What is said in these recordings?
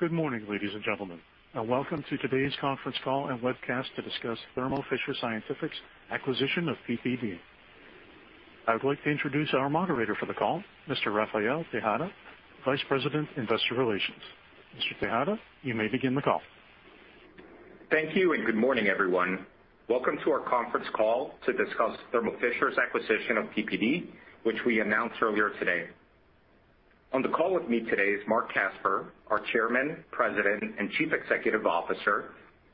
Good morning, ladies and gentlemen, and welcome to today's conference call and webcast to discuss Thermo Fisher Scientific's acquisition of PPD. I would like to introduce our moderator for the call, Mr. Rafael Tejada, Vice President, Investor Relations. Mr. Tejada, you may begin the call. Thank you, and good morning, everyone. Welcome to our conference call to discuss Thermo Fisher's acquisition of PPD, which we announced earlier today. On the call with me today is Marc Casper, our Chairman, President, and Chief Executive Officer,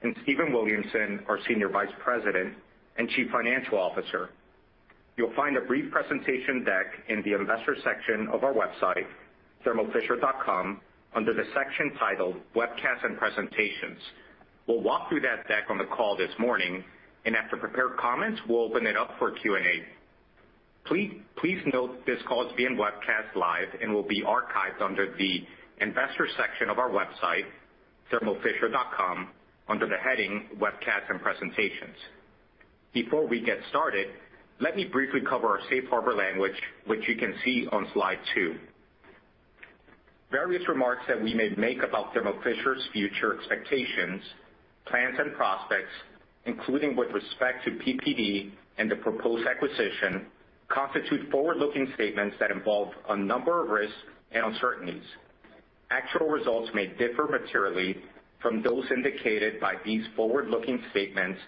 and Stephen Williamson, our Senior Vice President and Chief Financial Officer. You'll find a brief presentation deck in the investor section of our website, thermofisher.com, under the section titled Webcasts and Presentations. We'll walk through that deck on the call this morning, and after prepared comments, we'll open it up for Q&A. Please note this call is being webcast live and will be archived under the Investors section of our website, thermofisher.com, under the heading Webcasts and Presentations. Before we get started, let me briefly cover our Safe Harbor language, which you can see on slide two. Various remarks that we may make about Thermo Fisher's future expectations, plans, and prospects, including with respect to PPD and the proposed acquisition, constitute forward-looking statements that involve a number of risks and uncertainties. Actual results may differ materially from those indicated by these forward-looking statements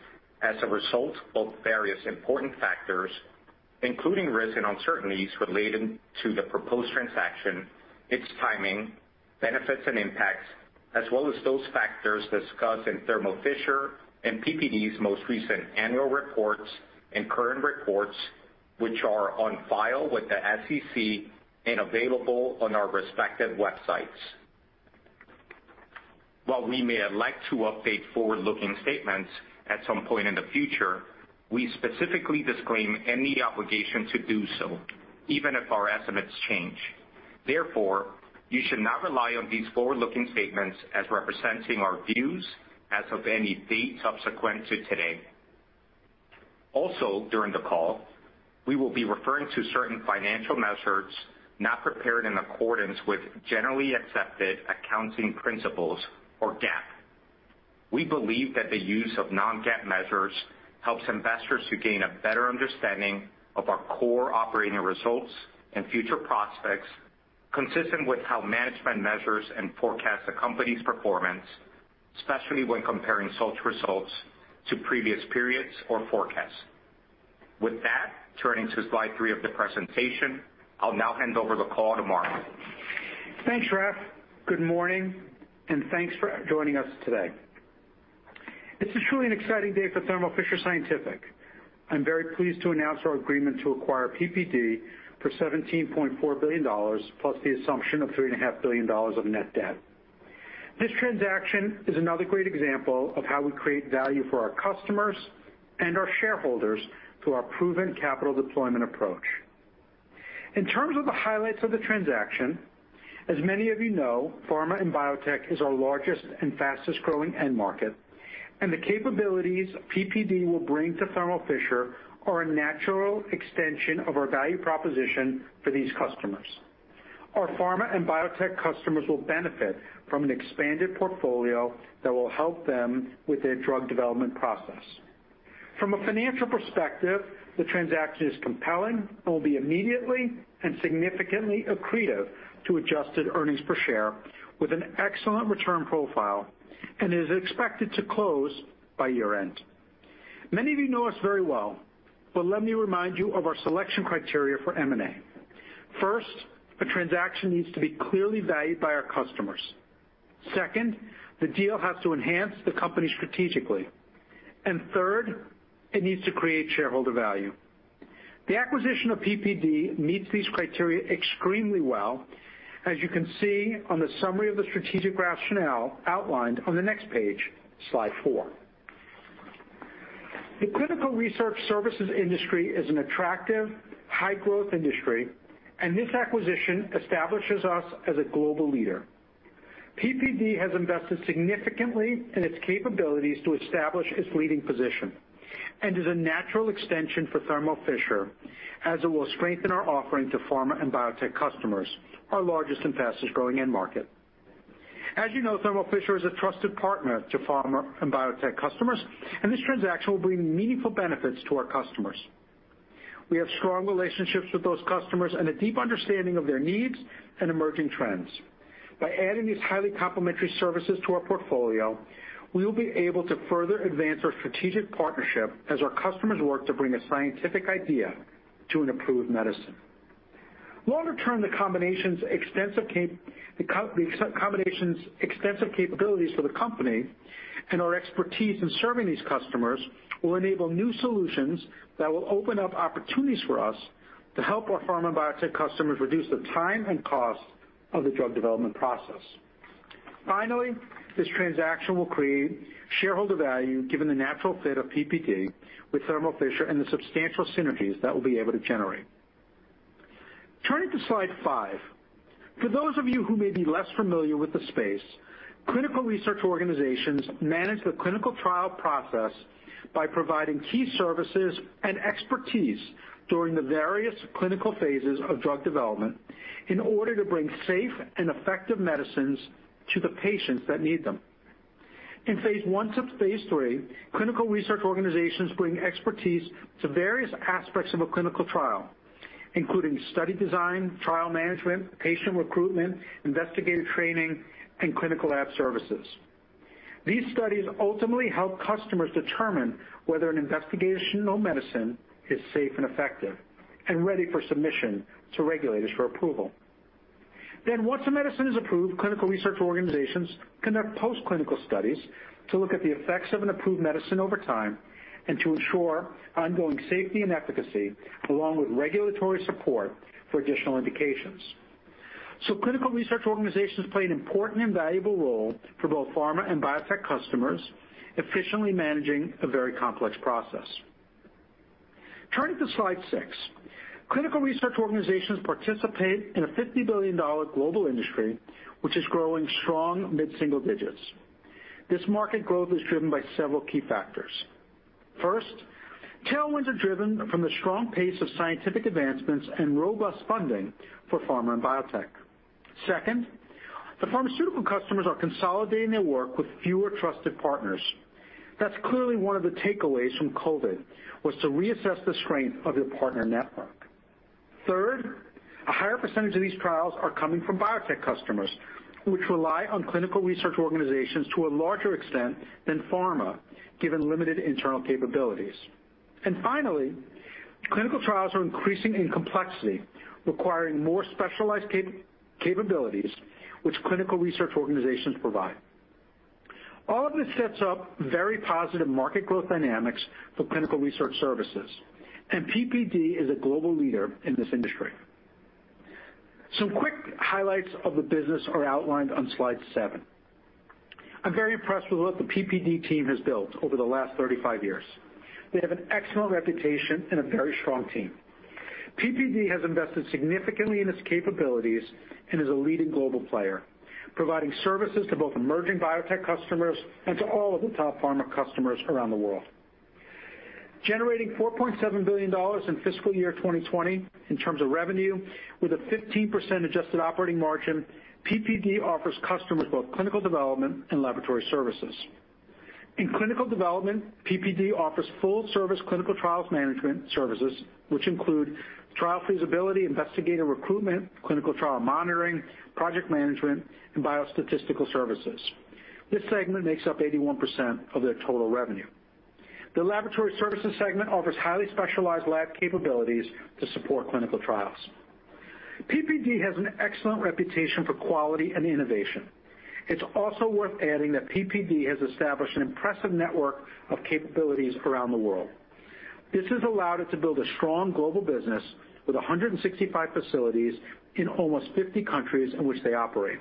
as a result of various important factors, including risks and uncertainties relating to the proposed transaction, its timing, benefits, and impacts, as well as those factors discussed in Thermo Fisher and PPD's most recent annual reports and current reports, which are on file with the SEC and available on our respective websites. While we may elect to update forward-looking statements at some point in the future, we specifically disclaim any obligation to do so, even if our estimates change. Therefore, you should not rely on these forward-looking statements as representing our views as of any date subsequent to today. Also, during the call, we will be referring to certain financial measures not prepared in accordance with generally accepted accounting principles, or GAAP. We believe that the use of non-GAAP measures helps investors to gain a better understanding of our core operating results and future prospects, consistent with how management measures and forecasts the company's performance, especially when comparing such results to previous periods or forecasts. With that, turning to slide three of the presentation, I'll now hand over the call to Marc. Thanks, Raf. Good morning, and thanks for joining us today. This is truly an exciting day for Thermo Fisher Scientific. I'm very pleased to announce our agreement to acquire PPD for $17.4 billion, plus the assumption of $3.5 billion of net debt. This transaction is another great example of how we create value for our customers and our shareholders through our proven capital deployment approach. In terms of the highlights of the transaction, as many of you know, pharma and biotech is our largest and fastest-growing end market, and the capabilities PPD will bring to Thermo Fisher are a natural extension of our value proposition for these customers. Our pharma and biotech customers will benefit from an expanded portfolio that will help them with their drug development process. From a financial perspective, the transaction is compelling and will be immediately and significantly accretive to adjusted earnings per share with an excellent return profile and is expected to close by year-end. Many of you know us very well. Let me remind you of our selection criteria for M&A. First, a transaction needs to be clearly valued by our customers. Second, the deal has to enhance the company strategically. Third, it needs to create shareholder value. The acquisition of PPD meets these criteria extremely well, as you can see on the summary of the strategic rationale outlined on the next page, slide four. The clinical research services industry is an attractive, high-growth industry. This acquisition establishes us as a global leader. PPD has invested significantly in its capabilities to establish its leading position and is a natural extension for Thermo Fisher, as it will strengthen our offering to pharma and biotech customers, our largest and fastest-growing end market. As you know, Thermo Fisher is a trusted partner to pharma and biotech customers, and this transaction will bring meaningful benefits to our customers. We have strong relationships with those customers and a deep understanding of their needs and emerging trends. By adding these highly complementary services to our portfolio, we will be able to further advance our strategic partnership as our customers work to bring a scientific idea to an approved medicine. Longer term, the combination's extensive capabilities for the company and our expertise in serving these customers will enable new solutions that will open up opportunities for us to help our pharma and biotech customers reduce the time and cost of the drug development process. This transaction will create shareholder value given the natural fit of PPD with Thermo Fisher and the substantial synergies that we'll be able to generate. Turning to slide five. For those of you who may be less familiar with the space. Clinical research organizations manage the clinical trial process by providing key services and expertise during the various clinical phases of drug development in order to bring safe and effective medicines to the patients that need them. In phase I to phase III, clinical research organizations bring expertise to various aspects of a clinical trial, including study design, trial management, patient recruitment, investigator training, and clinical lab services. These studies ultimately help customers determine whether an investigational medicine is safe and effective and ready for submission to regulators for approval. Once a medicine is approved, clinical research organizations conduct post-clinical studies to look at the effects of an approved medicine over time and to ensure ongoing safety and efficacy along with regulatory support for additional indications. Clinical research organizations play an important and valuable role for both pharma and biotech customers, efficiently managing a very complex process. Turning to slide six. Clinical research organizations participate in a $50 billion global industry, which is growing strong mid-single digits. This market growth is driven by several key factors. First, tailwinds are driven from the strong pace of scientific advancements and robust funding for pharma and biotech. Second, the pharmaceutical customers are consolidating their work with fewer trusted partners. That's clearly one of the takeaways from COVID, was to reassess the strength of your partner network. Third, a higher percentage of these trials are coming from biotech customers, which rely on clinical research organizations to a larger extent than pharma, given limited internal capabilities. Finally, clinical trials are increasing in complexity, requiring more specialized capabilities, which clinical research organizations provide. All of this sets up very positive market growth dynamics for clinical research services, and PPD is a global leader in this industry. Some quick highlights of the business are outlined on slide seven. I'm very impressed with what the PPD team has built over the last 35 years. They have an excellent reputation and a very strong team. PPD has invested significantly in its capabilities and is a leading global player, providing services to both emerging biotech customers and to all of the top pharma customers around the world. Generating $4.7 billion in fiscal year 2020 in terms of revenue, with a 15% adjusted operating margin, PPD offers customers both clinical development and laboratory services. In clinical development, PPD offers full-service clinical trials management services, which include trial feasibility, investigator recruitment, clinical trial monitoring, project management, and biostatistical services. This segment makes up 81% of their total revenue. The laboratory services segment offers highly specialized lab capabilities to support clinical trials. PPD has an excellent reputation for quality and innovation. It's also worth adding that PPD has established an impressive network of capabilities around the world. This has allowed it to build a strong global business with 165 facilities in almost 50 countries in which they operate.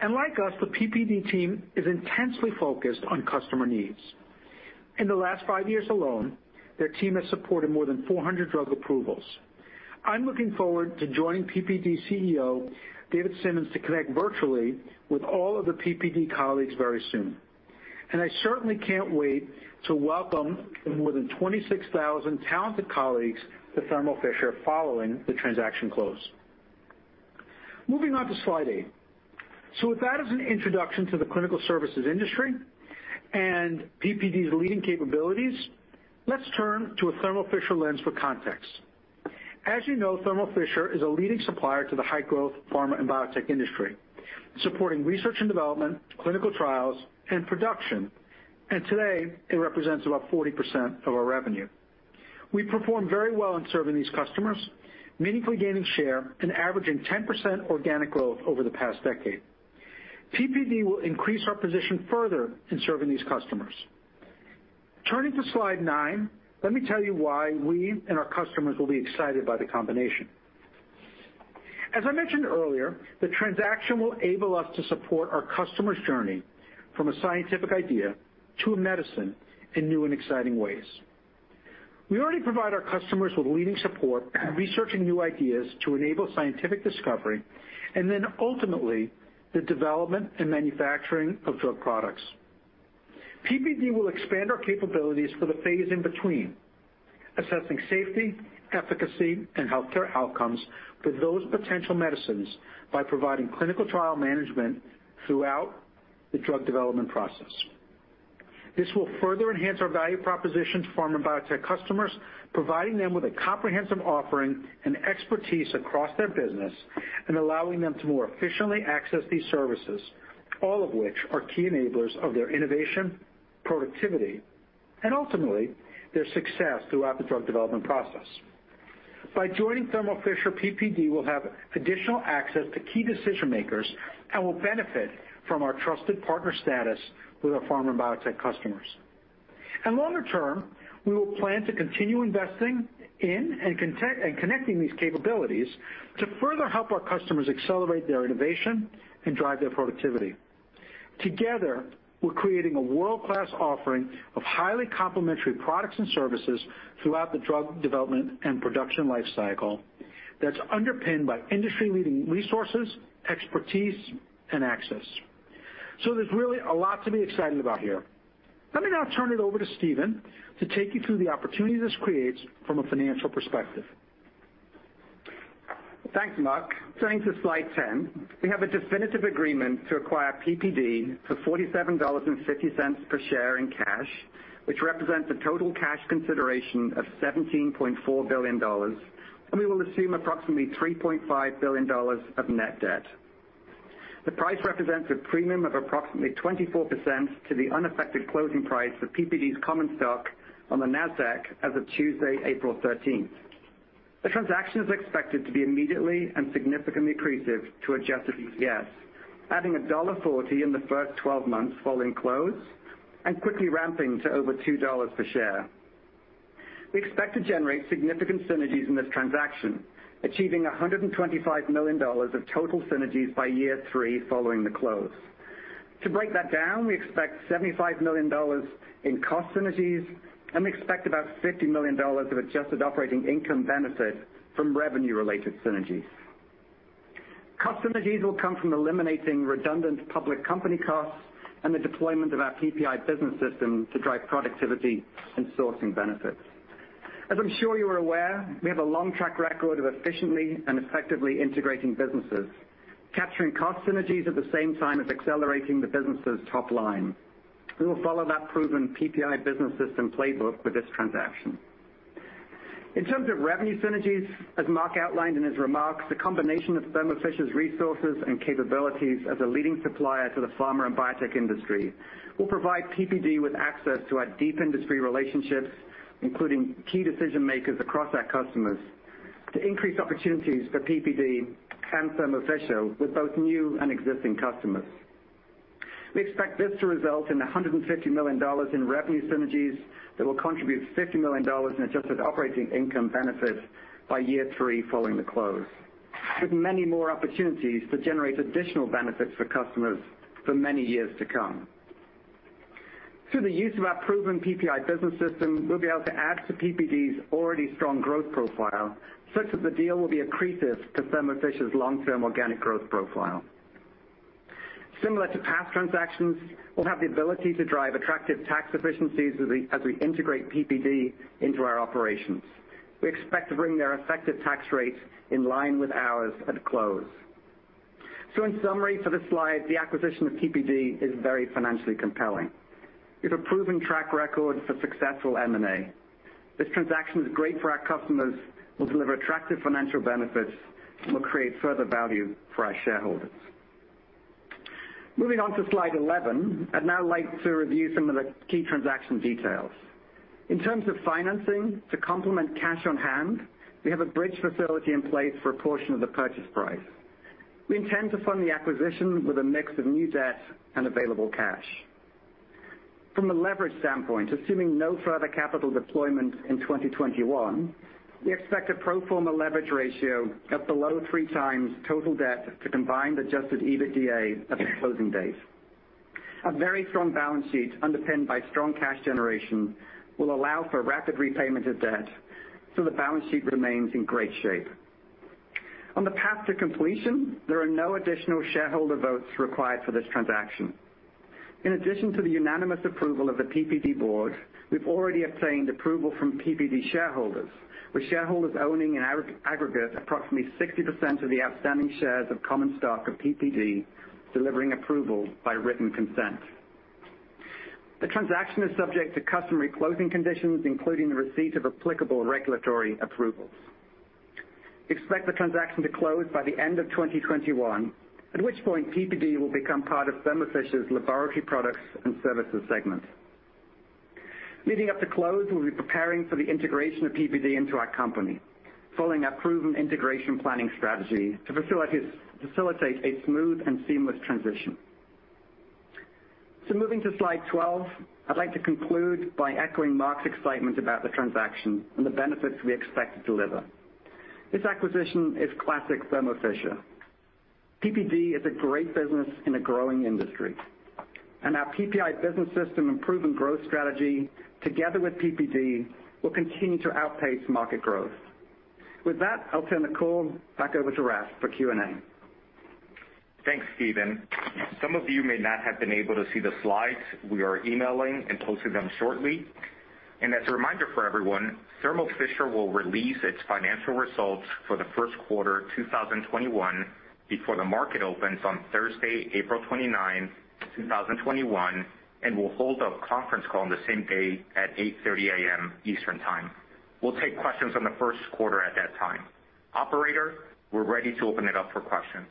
Like us, the PPD team is intensely focused on customer needs. In the last five years alone, their team has supported more than 400 drug approvals. I'm looking forward to joining PPD CEO, David Simmons, to connect virtually with all of the PPD colleagues very soon, and I certainly can't wait to welcome the more than 26,000 talented colleagues to Thermo Fisher following the transaction close. Moving on to slide eight. With that as an introduction to the clinical services industry and PPD's leading capabilities, let's turn to a Thermo Fisher lens for context. As you know, Thermo Fisher is a leading supplier to the high-growth pharma and biotech industry, supporting research and development, clinical trials, and production. Today, it represents about 40% of our revenue. We perform very well in serving these customers, meaningfully gaining share and averaging 10% organic growth over the past decade. PPD will increase our position further in serving these customers. Turning to slide nine, let me tell you why we and our customers will be excited by the combination. As I mentioned earlier, the transaction will enable us to support our customer's journey from a scientific idea to a medicine in new and exciting ways. We already provide our customers with leading support in researching new ideas to enable scientific discovery, and then ultimately, the development and manufacturing of drug products. PPD will expand our capabilities for the phase in between, assessing safety, efficacy, and healthcare outcomes for those potential medicines by providing clinical trial management throughout the drug development process. This will further enhance our value proposition to pharma and biotech customers, providing them with a comprehensive offering and expertise across their business and allowing them to more efficiently access these services, all of which are key enablers of their innovation, productivity, and ultimately, their success throughout the drug development process. By joining Thermo Fisher, PPD will have additional access to key decision-makers and will benefit from our trusted partner status with our pharma and biotech customers. Longer term, we will plan to continue investing in and connecting these capabilities to further help our customers accelerate their innovation and drive their productivity. Together, we're creating a world-class offering of highly complementary products and services throughout the drug development and production life cycle that's underpinned by industry-leading resources, expertise, and access. There's really a lot to be excited about here. Let me now turn it over to Stephen to take you through the opportunities this creates from a financial perspective. Thanks, Marc. Turning to slide 10. We have a definitive agreement to acquire PPD for $47.50 per share in cash, which represents a total cash consideration of $17.4 billion, and we will assume approximately $3.5 billion of net debt. The price represents a premium of approximately 24% to the unaffected closing price of PPD's common stock on the Nasdaq as of Tuesday, April 13th. The transaction is expected to be immediately and significantly accretive to adjusted EPS, adding $1.40 in the first 12 months following close and quickly ramping to over $2 per share. We expect to generate significant synergies in this transaction, achieving $125 million of total synergies by year three following the close. To break that down, we expect $75 million in cost synergies and we expect about $50 million of adjusted operating income benefit from revenue-related synergies. Cost synergies will come from eliminating redundant public company costs and the deployment of our PPI business system to drive productivity and sourcing benefits. As I'm sure you are aware, we have a long track record of efficiently and effectively integrating businesses, capturing cost synergies at the same time as accelerating the business' top line. We will follow that proven PPI business system playbook with this transaction. In terms of revenue synergies, as Marc outlined in his remarks, the combination of Thermo Fisher's resources and capabilities as a leading supplier to the pharma and biotech industry will provide PPD with access to our deep industry relationships, including key decision-makers across our customers, to increase opportunities for PPD and Thermo Fisher with both new and existing customers. We expect this to result in $150 million in revenue synergies that will contribute $50 million in adjusted operating income benefits by year three following the close, with many more opportunities to generate additional benefits for customers for many years to come. Through the use of our proven PPI business system, we'll be able to add to PPD's already strong growth profile, such that the deal will be accretive to Thermo Fisher's long-term organic growth profile. Similar to past transactions, we'll have the ability to drive attractive tax efficiencies as we integrate PPD into our operations. We expect to bring their effective tax rates in line with ours at close. In summary for this slide, the acquisition of PPD is very financially compelling. We have a proven track record for successful M&A. This transaction is great for our customers. We'll deliver attractive financial benefits, we'll create further value for our shareholders. Moving on to slide 11, I'd now like to review some of the key transaction details. In terms of financing, to complement cash on hand, we have a bridge facility in place for a portion of the purchase price. We intend to fund the acquisition with a mix of new debt and available cash. From a leverage standpoint, assuming no further capital deployment in 2021, we expect a pro forma leverage ratio of below three times total debt to combined Adjusted EBITDA at the closing date. A very strong balance sheet underpinned by strong cash generation will allow for rapid repayment of debt, the balance sheet remains in great shape. On the path to completion, there are no additional shareholder votes required for this transaction. In addition to the unanimous approval of the PPD board, we've already obtained approval from PPD shareholders, with shareholders owning, in aggregate, approximately 60% of the outstanding shares of common stock of PPD, delivering approval by written consent. The transaction is subject to customary closing conditions, including the receipt of applicable regulatory approvals. We expect the transaction to close by the end of 2021, at which point PPD will become part of Thermo Fisher's laboratory products and services segment. Leading up to close, we'll be preparing for the integration of PPD into our company, following our proven integration planning strategy to facilitate a smooth and seamless transition. Moving to slide 12, I'd like to conclude by echoing Marc's excitement about the transaction and the benefits we expect to deliver. This acquisition is classic Thermo Fisher. PPD is a great business in a growing industry, and our PPI business system and proven growth strategy, together with PPD, will continue to outpace market growth. With that, I'll turn the call back over to Raf for Q&A. Thanks, Stephen. Some of you may not have been able to see the slides. We are emailing and posting them shortly. As a reminder for everyone, Thermo Fisher will release its financial results for the first quarter 2021 before the market opens on Thursday, April 29, 2021, and will hold a conference call on the same day at 8:30 A.M. Eastern Time. We'll take questions on the first quarter at that time. Operator, we're ready to open it up for questions.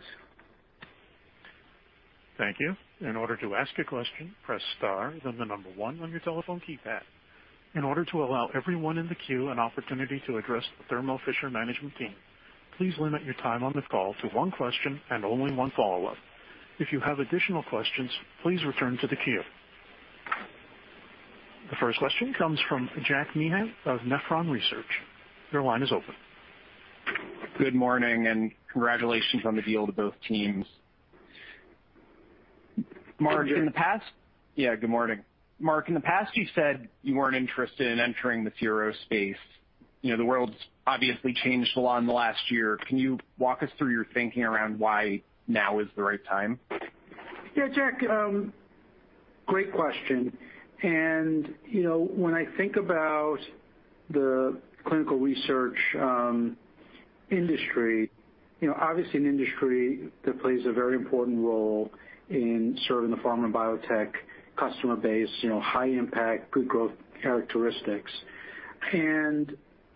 Thank you. In order to ask a question, press star, then the number one on your telephone keypad. In order to allow everyone in the queue an opportunity to address the Thermo Fisher management team, please limit your time on the call to one question and only one follow-up. If you have additional questions, please return to the queue. The first question comes from Jack Meehan of Nephron Research. Your line is open. Good morning, congratulations on the deal to both teams. Thank you. Yeah, good morning. Marc, in the past, you said you weren't interested in entering the CRO space. The world's obviously changed a lot in the last year. Can you walk us through your thinking around why now is the right time? Yeah, Jack, great question. When I think about the clinical research industry, obviously an industry that plays a very important role in serving the pharma and biotech customer base, high impact, good growth characteristics.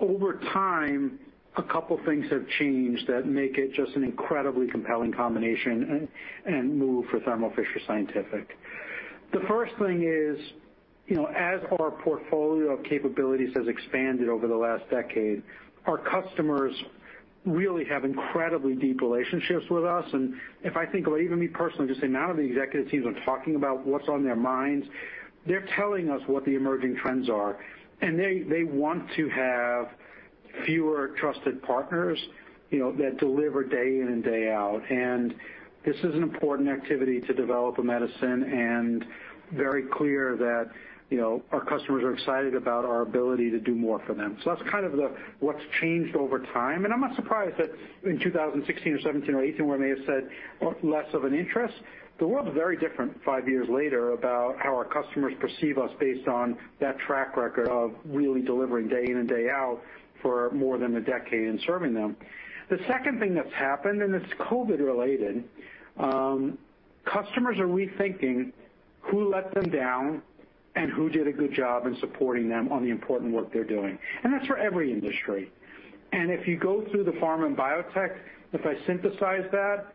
Over time, a couple things have changed that make it just an incredibly compelling combination and move for Thermo Fisher Scientific. The first thing is, as our portfolio of capabilities has expanded over the last decade, our customers really have incredibly deep relationships with us. If I think of even me personally, just the amount of the executive teams I'm talking about what's on their minds, they're telling us what the emerging trends are, and they want to have fewer trusted partners that deliver day in and day out. This is an important activity to develop a medicine and very clear that our customers are excited about our ability to do more for them. That's kind of what's changed over time. I'm not surprised that in 2016 or 2017 or 2018, where I may have said less of an interest, the world's very different five years later about how our customers perceive us based on that track record of really delivering day in and day out for more than a decade and serving them. The second thing that's happened, and it's COVID related, customers are rethinking who let them down and who did a good job in supporting them on the important work they're doing. That's for every industry. If you go through the pharma and biotech, if I synthesize that,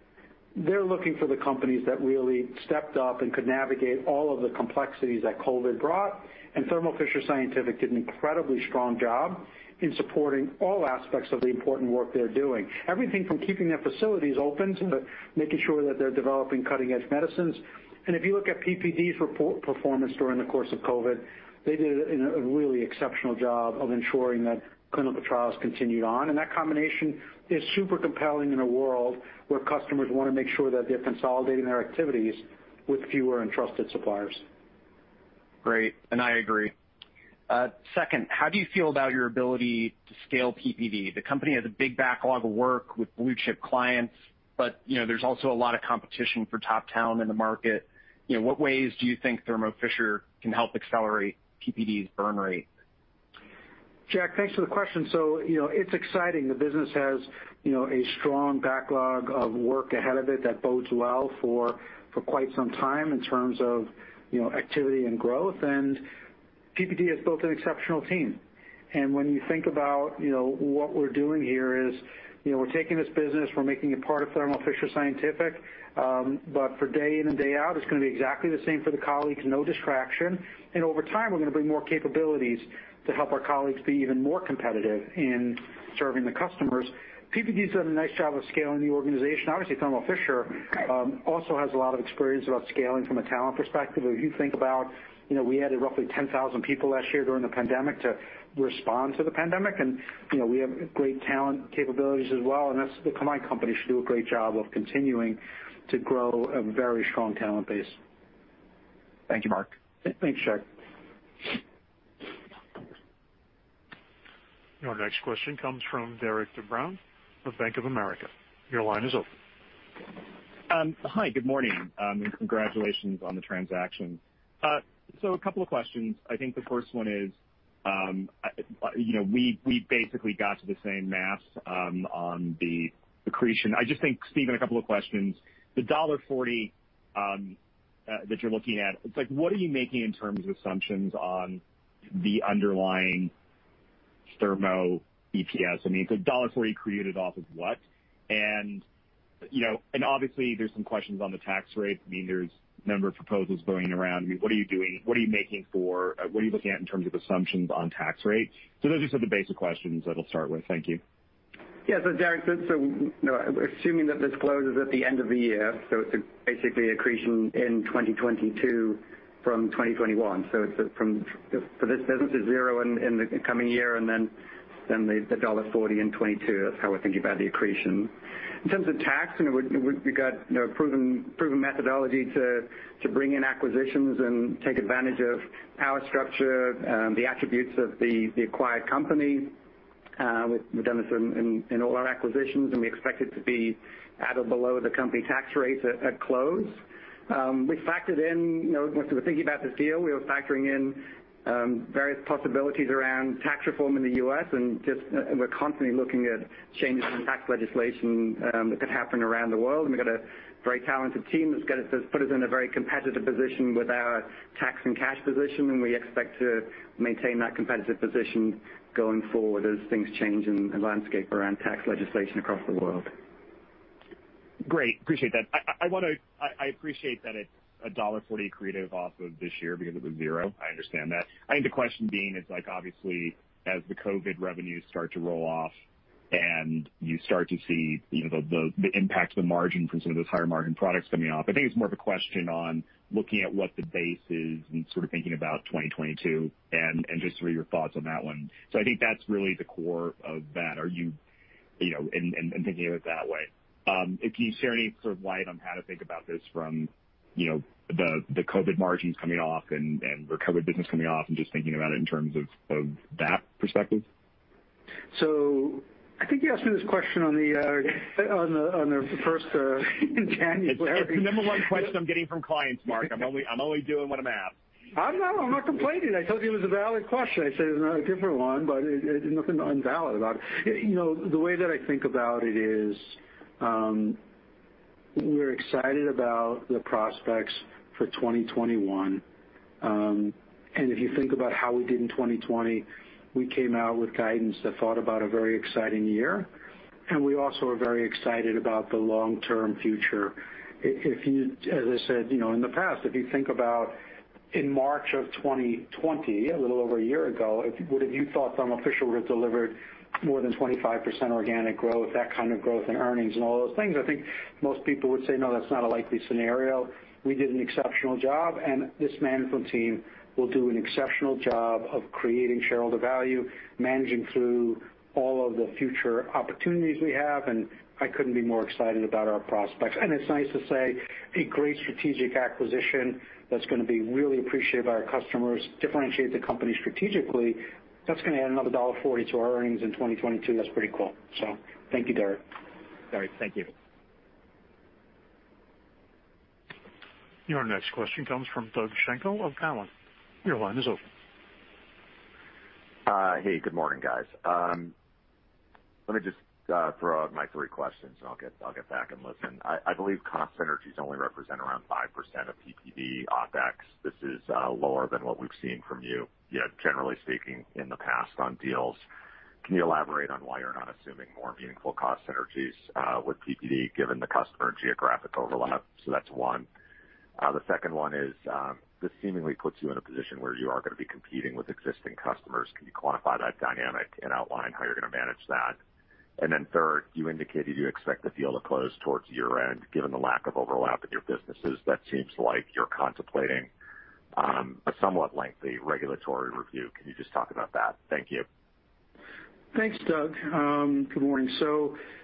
they're looking for the companies that really stepped up and could navigate all of the complexities that COVID brought, Thermo Fisher Scientific did an incredibly strong job in supporting all aspects of the important work they're doing. Everything from keeping their facilities open to making sure that they're developing cutting-edge medicines. If you look at PPD's performance during the course of COVID, they did a really exceptional job of ensuring that clinical trials continued on. That combination is super compelling in a world where customers want to make sure that they're consolidating their activities with fewer and trusted suppliers. Great. I agree. Second, how do you feel about your ability to scale PPD? The company has a big backlog of work with blue-chip clients, but there's also a lot of competition for top talent in the market. What ways do you think Thermo Fisher can help accelerate PPD's burn rate? Jack, thanks for the question. It's exciting. The business has a strong backlog of work ahead of it that bodes well for quite some time in terms of activity and growth. PPD has built an exceptional team. When you think about what we're doing here is we're taking this business, we're making it part of Thermo Fisher Scientific. For day in and day out, it's going to be exactly the same for the colleagues. No distraction. Over time, we're going to bring more capabilities to help our colleagues be even more competitive in serving the customers. PPD's done a nice job of scaling the organization. Obviously, Thermo Fisher also has a lot of experience about scaling from a talent perspective. If you think about it, we added roughly 10,000 people last year during the pandemic to respond to the pandemic. We have great talent capabilities as well. That's the combined companies should do a great job of continuing to grow a very strong talent base. Thank you, Marc. Thanks, Jack. Your next question comes from Derik de Bruin with Bank of America. Your line is open. Hi, good morning, and congratulations on the transaction. A couple of questions. I think the first one is, we basically got to the same math on the accretion. I just think, Stephen, a couple of questions. The $1.40 that you're looking at, what are you making in terms of assumptions on the underlying Thermo EPS? I mean, $1.40 accreted off of what? Obviously there's some questions on the tax rate. There's a number of proposals going around. What are you doing? What are you looking at in terms of assumptions on tax rate? Those are sort of the basic questions that I'll start with. Thank you. Yeah. Derik, assuming that this closes at the end of the year, it's a basically accretion in 2022 from 2021. For this business, it's zero in the coming year and then the $1.40 in 2022. That's how we're thinking about the accretion. In terms of tax, we got proven methodology to bring in acquisitions and take advantage of our structure, the attributes of the acquired company. We've done this in all our acquisitions, and we expect it to be at or below the company tax rates at close. We factored in, once we were thinking about this deal, we were factoring in various possibilities around tax reform in the U.S. and just we're constantly looking at changes in tax legislation that could happen around the world, and we've got a very talented team that's put us in a very competitive position with our tax and cash position, and we expect to maintain that competitive position going forward as things change in the landscape around tax legislation across the world. Great. Appreciate that. I appreciate that it's a $1.40 accretive off of this year because it was zero. I understand that. I think the question being is, obviously, as the COVID revenues start to roll off. You start to see the impact of the margin from some of those higher margin products coming off. I think it's more of a question on looking at what the base is and sort of thinking about 2022 and just sort of your thoughts on that one. I think that's really the core of that, and thinking of it that way. Can you share any sort of light on how to think about this from the COVID margins coming off and recovered business coming off, and just thinking about it in terms of that perspective? I think you asked me this question on the first in January. It's the number one question I'm getting from clients, Marc. I'm only doing what I'm asked. I'm not complaining. I told you it was a valid question. I said it was not a different one, but there's nothing invalid about it. The way that I think about it is, we're excited about the prospects for 2021. If you think about how we did in 2020, we came out with guidance that thought about a very exciting year, and we also are very excited about the long-term future. As I said, in the past, if you think about in March of 2020, a little over a year ago, would have you thought Thermo Fisher would have delivered more than 25% organic growth, that kind of growth in earnings and all those things? I think most people would say, "No, that's not a likely scenario." We did an exceptional job, and this management team will do an exceptional job of creating shareholder value, managing through all of the future opportunities we have, and I couldn't be more excited about our prospects. It's nice to say a great strategic acquisition that's going to be really appreciated by our customers, differentiate the company strategically. That's going to add another $1.40 to our earnings in 2022. That's pretty cool. Thank you, Derik. All right. Thank you. Your next question comes from Doug Schenkel of Cowen. Your line is open. Hey, good morning, guys. Let me just throw out my three questions, and I'll get back and listen. I believe cost synergies only represent around 5% of PPD OPEX. This is lower than what we've seen from you, yet generally speaking, in the past on deals. Can you elaborate on why you're not assuming more meaningful cost synergies with PPD given the customer geographic overlap? That's one. The second one is, this seemingly puts you in a position where you are going to be competing with existing customers. Can you quantify that dynamic and outline how you're going to manage that? Third, you indicated you expect the deal to close towards year-end. Given the lack of overlap in your businesses, that seems like you're contemplating a somewhat lengthy regulatory review. Can you just talk about that? Thank you. Thanks, Doug. Good morning.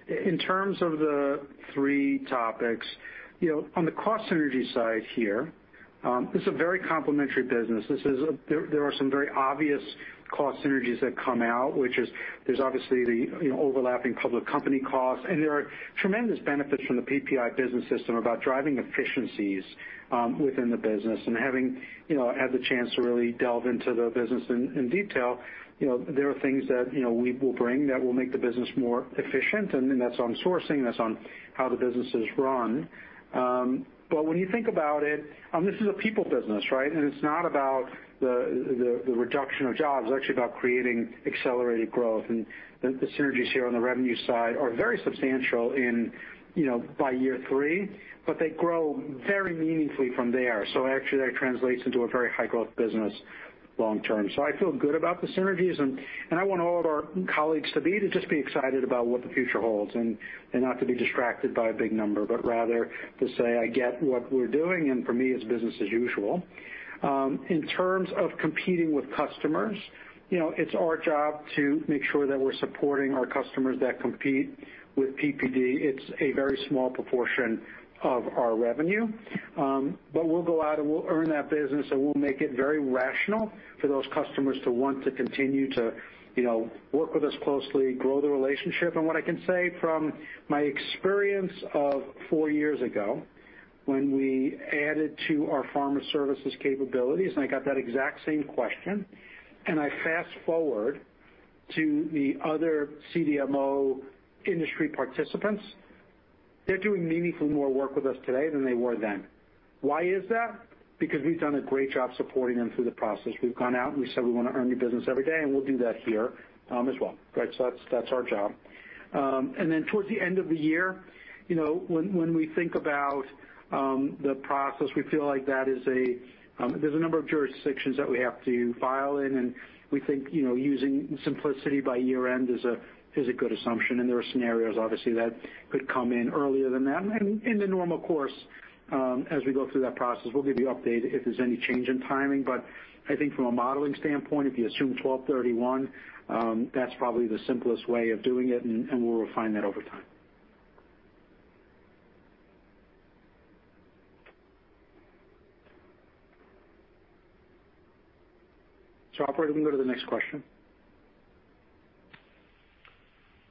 In terms of the three topics, on the cost synergy side here, this is a very complementary business. There are some very obvious cost synergies that come out, which is there's obviously the overlapping public company costs, and there are tremendous benefits from the PPI business system about driving efficiencies within the business and having had the chance to really delve into the business in detail. There are things that we will bring that will make the business more efficient, and that's on sourcing, that's on how the business is run. When you think about it, this is a people business, right? It's not about the reduction of jobs. It's actually about creating accelerated growth. The synergies here on the revenue side are very substantial by year three, but they grow very meaningfully from there. Actually, that translates into a very high-growth business long term. I feel good about the synergies, and I want all of our colleagues to just be excited about what the future holds and not to be distracted by a big number, but rather to say, "I get what we're doing," and for me, it's business as usual. In terms of competing with customers, it's our job to make sure that we're supporting our customers that compete with PPD. It's a very small proportion of our revenue. We'll go out and we'll earn that business, and we'll make it very rational for those customers to want to continue to work with us closely, grow the relationship. What I can say from my experience of four years ago when we added to our pharma services capabilities, I got that exact same question, I fast-forward to the other CDMO industry participants, they're doing meaningfully more work with us today than they were then. Why is that? Because we've done a great job supporting them through the process. We've gone out and we said we want to earn your business every day, we'll do that here as well. Great. That's our job. Towards the end of the year, when we think about the process, there's a number of jurisdictions that we have to file in, we think using simplicity by year-end is a good assumption. There are scenarios, obviously, that could come in earlier than that. In the normal course as we go through that process, we'll give you update if there's any change in timing. I think from a modeling standpoint, if you assume 12/31, that's probably the simplest way of doing it, and we'll refine that over time. Operator, we can go to the next question.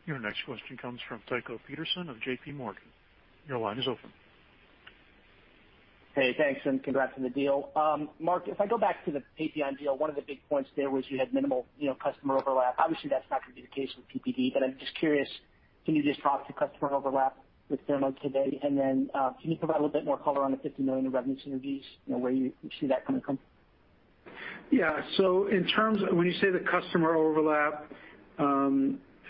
Your next question comes from Tycho Peterson of JPMorgan. Your line is open. Hey, thanks, and congrats on the deal. Marc, if I go back to the API deal, one of the big points there was you had minimal customer overlap. Obviously, that's not going to be the case with PPD, but I'm just curious, can you just talk to customer overlap with Thermo today? Then can you provide a little bit more color on the $50 million in revenue synergies and where you see that coming from? Yeah. When you say the customer overlap,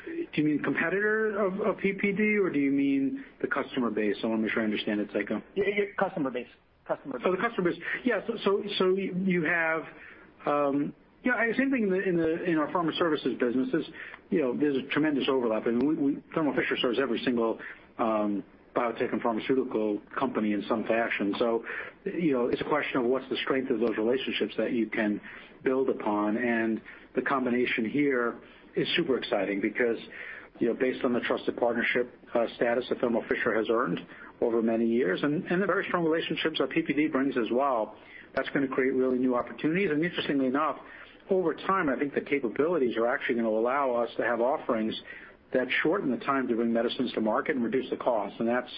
do you mean competitor of PPD, or do you mean the customer base? I want to make sure I understand it, Tycho. Yeah. Customer base. The customer base. Yeah. Same thing in our pharma services businesses, there's a tremendous overlap, and Thermo Fisher serves every single biotech and pharmaceutical company in some fashion. It's a question of what's the strength of those relationships that you can build upon. The combination here is super exciting because, based on the trusted partnership status that Thermo Fisher has earned over many years and the very strong relationships that PPD brings as well, that's going to create really new opportunities. Interestingly enough, over time, I think the capabilities are actually going to allow us to have offerings that shorten the time to bring medicines to market and reduce the cost. That's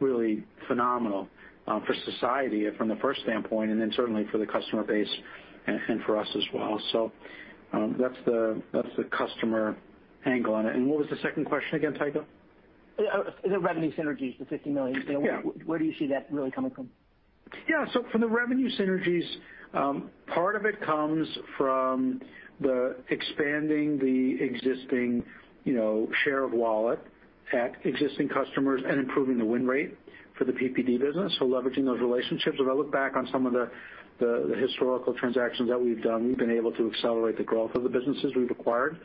really phenomenal for society from the first standpoint, and then certainly for the customer base and for us as well. That's the customer angle on it. What was the second question again, Tycho? The revenue synergies, the $50 million. Yeah. Where do you see that really coming from? Yeah. From the revenue synergies, part of it comes from the expanding the existing share of wallet at existing customers and improving the win rate for the PPD business. Leveraging those relationships. If I look back on some of the historical transactions that we've done, we've been able to accelerate the growth of the businesses we've acquired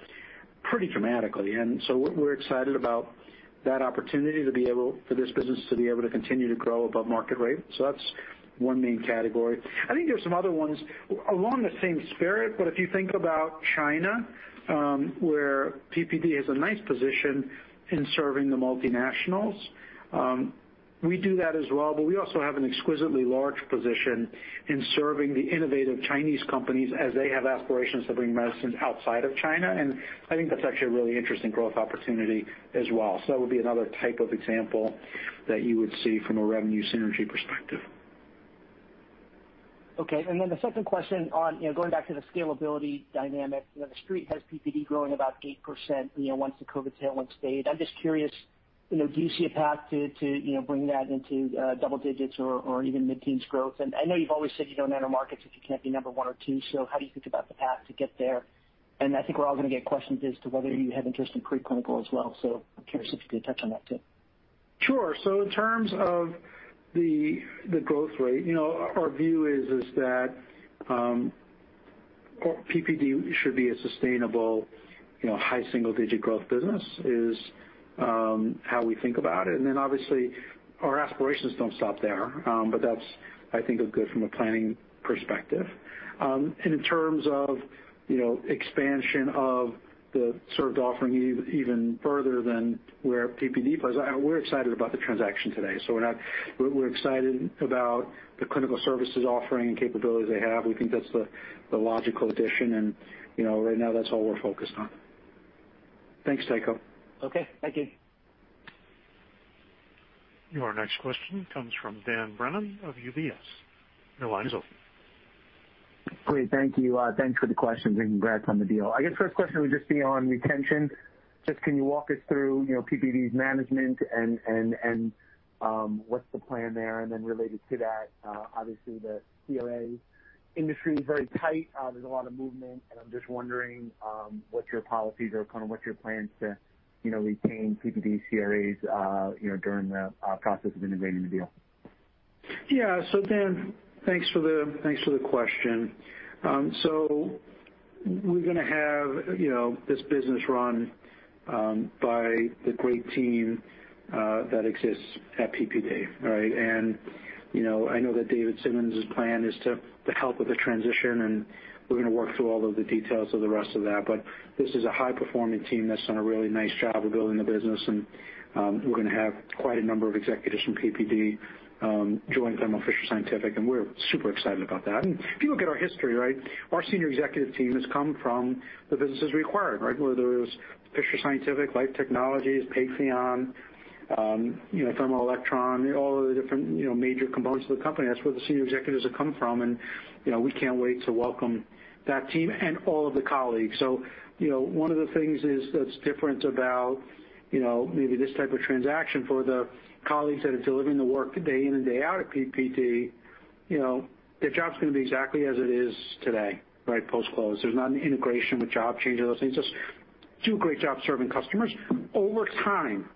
pretty dramatically. We're excited about that opportunity for this business to be able to continue to grow above market rate. That's one main category. I think there's some other ones along the same spirit, but if you think about China, where PPD has a nice position in serving the multinationals, we do that as well, but we also have an exquisitely large position in serving the innovative Chinese companies as they have aspirations to bring medicines outside of China. I think that's actually a really interesting growth opportunity as well. That would be another type of example that you would see from a revenue synergy perspective. Okay, then the second question on going back to the scalability dynamic. The Street has PPD growing about 8% once the COVID tailwinds fade. I'm just curious, do you see a path to bring that into double digits or even mid-teens growth? I know you've always said you don't enter markets if you can't be number one or two, so how do you think about the path to get there? I think we're all going to get questions as to whether you have interest in pre-clinical as well. I'm curious if you could touch on that too. Sure. In terms of the growth rate, our view is that PPD should be a sustainable high single-digit growth business, is how we think about it. Obviously, our aspirations don't stop there. That's I think is good from a planning perspective. In terms of expansion of the served offering even further than where PPD plays, we're excited about the transaction today. We're excited about the clinical services offering and capabilities they have. We think that's the logical addition, and right now that's all we're focused on. Thanks, Tycho. Okay. Thank you. Your next question comes from Dan Brennan of UBS. Your line is open. Great. Thank you. Thanks for the questions and congrats on the deal. I guess first question would just be on retention. Just can you walk us through PPD's management, and what's the plan there? Related to that, obviously the CRA industry is very tight. There's a lot of movement, and I'm just wondering what your policies are, kind of what's your plan to retain PPD CRAs during the process of integrating the deal? Dan, thanks for the question. We're going to have this business run by the great team that exists at PPD. All right? I know that David Simmons' plan is to help with the transition, and we're going to work through all of the details of the rest of that. This is a high-performing team that's done a really nice job of building the business, and we're going to have quite a number of executives from PPD join Thermo Fisher Scientific, and we're super excited about that. If you look at our history, right, our senior executive team has come from the businesses we acquired, right? Whether it was Fisher Scientific, Life Technologies, Patheon, Thermo Electron, all of the different major components of the company. That's where the senior executives have come from, and we can't wait to welcome that team and all of the colleagues. One of the things that's different about maybe this type of transaction for the colleagues that are delivering the work day in and day out at PPD, their job's going to be exactly as it is today, right? Post-close. There's not an integration with job change or those things. Just do a great job serving customers. Over time,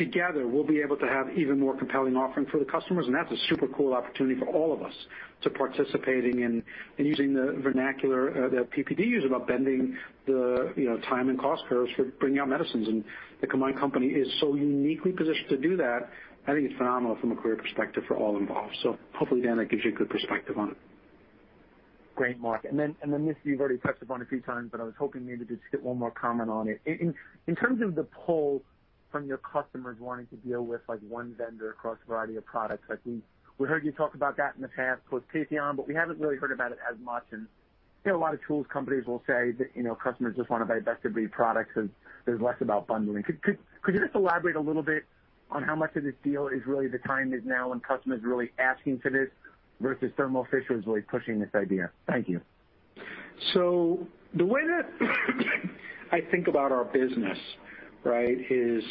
together, we'll be able to have even more compelling offering for the customers, and that's a super cool opportunity for all of us to participating in, and using the vernacular that PPD uses about bending the time and cost curves for bringing out medicines, and the combined company is so uniquely positioned to do that. I think it's phenomenal from a career perspective for all involved. Hopefully, Dan, that gives you a good perspective on it. Great, Marc. This, you've already touched upon a few times, but I was hoping maybe to just get one more comment on it. In terms of the pull from your customers wanting to deal with one vendor across a variety of products, I think we heard you talk about that in the past, post Patheon, but we haven't really heard about it as much. A lot of tools companies will say that customers just want to buy best-of-breed products because there's less about bundling. Could you just elaborate a little bit on how much of this deal is really the time is now and customers really asking for this versus Thermo Fisher is really pushing this idea? Thank you. The way that I think about our business, is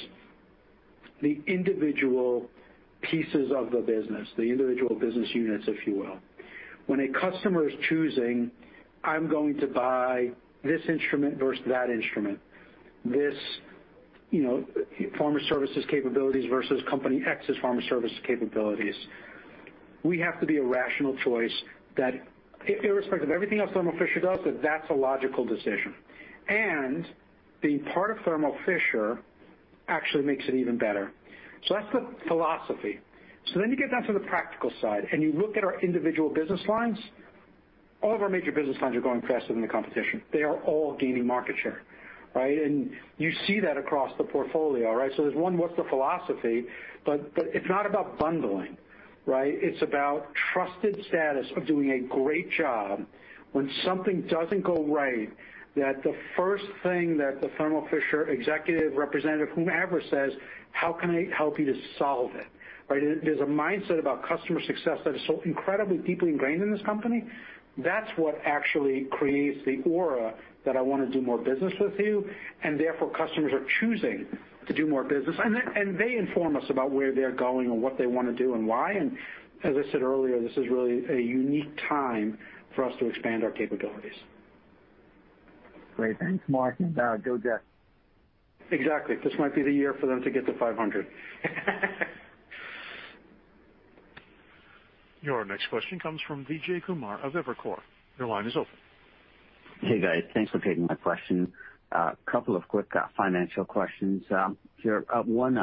the individual pieces of the business, the individual business units, if you will. When a customer is choosing, I'm going to buy this instrument versus that instrument, this pharma services capabilities versus company X's pharma service capabilities, we have to be a rational choice that irrespective of everything else Thermo Fisher does, that that's a logical decision. Being part of Thermo Fisher actually makes it even better. That's the philosophy. Then you get down to the practical side, and you look at our individual business lines. All of our major business lines are growing faster than the competition. They are all gaining market share. You see that across the portfolio. There's one, what's the philosophy, but it's not about bundling. It's about trusted status of doing a great job. When something doesn't go right, that the first thing that the Thermo Fisher executive representative, whomever, says, "How can I help you to solve it?" There's a mindset about customer success that is so incredibly, deeply ingrained in this company. That's what actually creates the aura that I want to do more business with you, and therefore, customers are choosing to do more business. They inform us about where they're going and what they want to do and why. As I said earlier, this is really a unique time for us to expand our capabilities. Great. Thanks, Marc. Go get. Exactly. This might be the year for them to get to 500. Your next question comes from Vijay Kumar of Evercore. Your line is open. Hey, guys. Thanks for taking my question. A couple of quick financial questions here. One,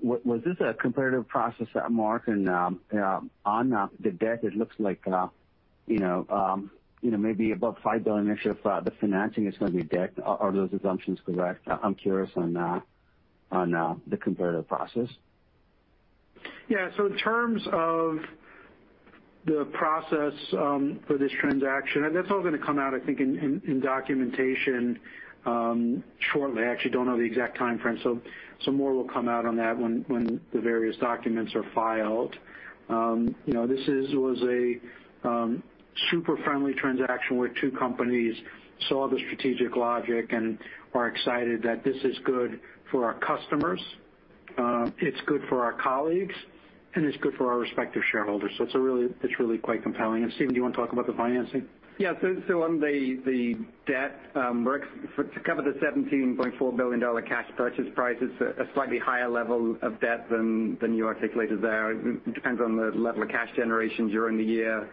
was this a competitive process, Marc? On the debt, it looks like maybe above $5 billion issue of the financing is going to be debt. Are those assumptions correct? I'm curious on the competitive process. Yeah. In terms of the process for this transaction, that's all going to come out, I think, in documentation shortly. I actually don't know the exact timeframe. More will come out on that when the various documents are filed. This was a super friendly transaction where two companies saw the strategic logic and are excited that this is good for our customers, it's good for our colleagues, and it's good for our respective shareholders. It's really quite compelling. Stephen, do you want to talk about the financing? Yeah. On the debt, to cover the $17.4 billion cash purchase price, it's a slightly higher level of debt than you articulated there. It depends on the level of cash generation during the year.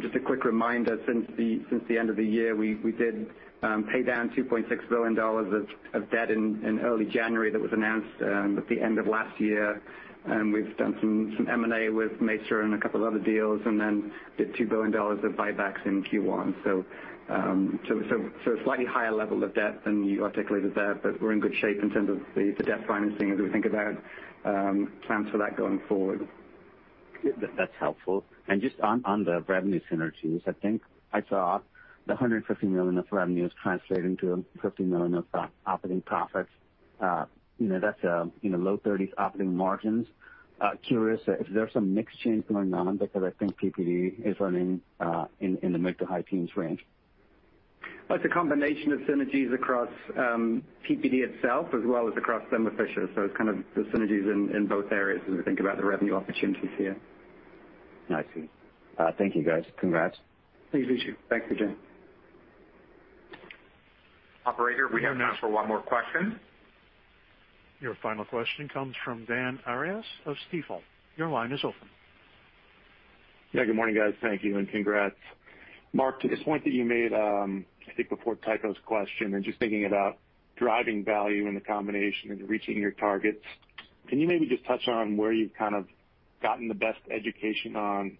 Just a quick reminder, since the end of the year, we did pay down $2.6 billion of debt in early January, that was announced at the end of last year. We've done some M&A with Mesa Biotech and a couple other deals and then did $2 billion of buybacks in Q1. A slightly higher level of debt than you articulated there, but we're in good shape in terms of the debt financing as we think about plans for that going forward. That's helpful. Just on the revenue synergies, I think I saw the $150 million of revenue is translating to $50 million of operating profits. That's low thirties operating margins. Curious if there's some mix change going on because I think PPD is running in the mid to high teens range. It's a combination of synergies across PPD itself as well as across Thermo Fisher. It's kind of the synergies in both areas as we think about the revenue opportunities here. I see. Thank you, guys. Congrats. Thanks, Vijay. Thanks, Vijay. Operator, we have time for one more question. Your final question comes from Dan Arias of Stifel. Your line is open. Yeah, good morning, guys. Thank you and congrats. Marc, this point that you made, I think before Tycho's question, and just thinking about driving value in the combination and reaching your targets, can you maybe just touch on where you've kind of gotten the best education on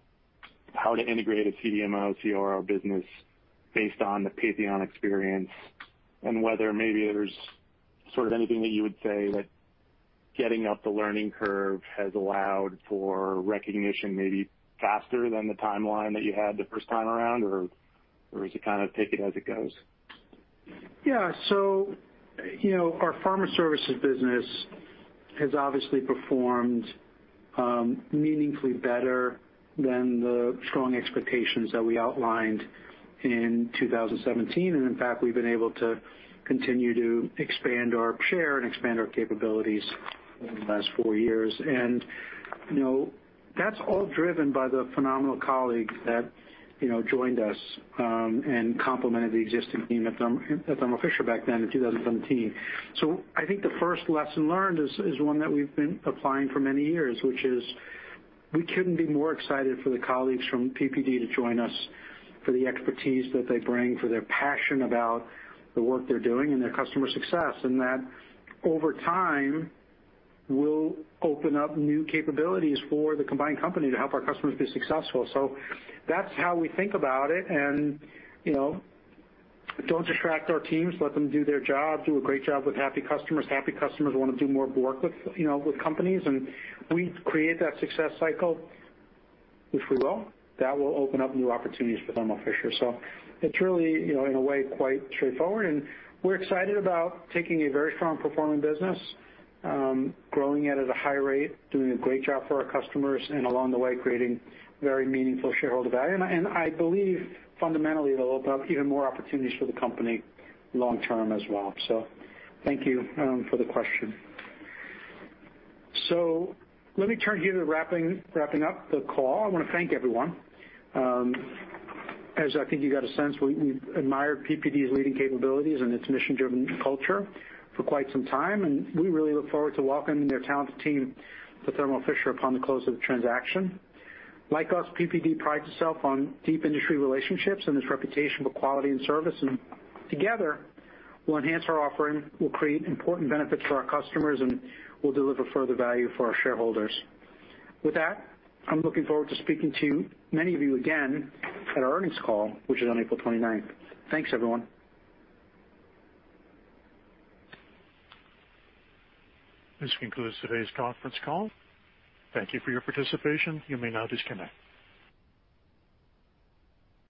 how to integrate a CDMO, CRO business based on the Patheon experience? Whether maybe there's sort of anything that you would say that getting up the learning curve has allowed for recognition maybe faster than the timeline that you had the first time around? Is it kind of take it as it goes? Yeah. Our pharma services business has obviously performed meaningfully better than the strong expectations that we outlined in 2017. In fact, we've been able to continue to expand our share and expand our capabilities over the last four years. That's all driven by the phenomenal colleagues that joined us and complemented the existing team at Thermo Fisher back then in 2017. I think the first lesson learned is one that we've been applying for many years, which is we couldn't be more excited for the colleagues from PPD to join us, for the expertise that they bring, for their passion about the work they're doing and their customer success. That over time, will open up new capabilities for the combined company to help our customers be successful. That's how we think about it and don't distract our teams, let them do their job, do a great job with happy customers. Happy customers want to do more work with companies, and we create that success cycle, if we will. That will open up new opportunities for Thermo Fisher. It's really, in a way, quite straightforward, and we're excited about taking a very strong performing business, growing it at a high rate, doing a great job for our customers, and along the way, creating very meaningful shareholder value. I believe fundamentally, it'll open up even more opportunities for the company long term as well. Thank you for the question. Let me turn here to wrapping up the call. I want to thank everyone. As I think you got a sense, we've admired PPD's leading capabilities and its mission-driven culture for quite some time, and we really look forward to welcoming their talented team to Thermo Fisher upon the close of the transaction. Like us, PPD prides itself on deep industry relationships and its reputation for quality and service, and together, we'll enhance our offering, we'll create important benefits for our customers, and we'll deliver further value for our shareholders. With that, I'm looking forward to speaking to many of you again at our earnings call, which is on April 29th. Thanks, everyone. This concludes today's conference call. Thank you for your participation. You may now disconnect.